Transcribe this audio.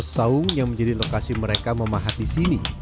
dan ada juga pesaung yang menjadi lokasi mereka memahat di sini